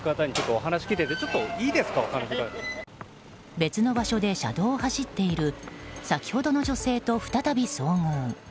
別の場所で車道を走っている先ほどの女性と再び遭遇。